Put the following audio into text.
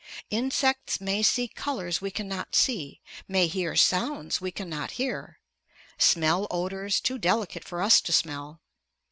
Insects may see colors we cannot see; may hear sounds we cannot hear; smell odors too delicate for us to smell.